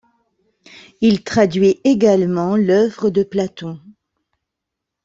Il traduit également l’œuvre de Platon.